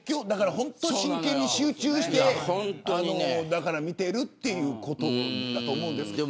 本当に、真剣に集中して見ているということだと思うんですけど。